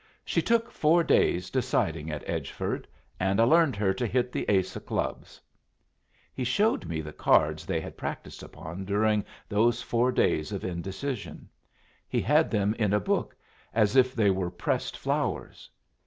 "She took four days deciding at Edgeford, and I learned her to hit the ace of clubs." He showed me the cards they had practiced upon during those four days of indecision; he had them in a book as if they were pressed flowers.